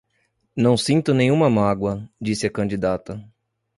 Não sinto nenhuma mágoa, disse a candidata